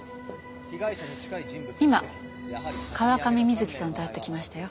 今川上美月さんと会ってきましたよ。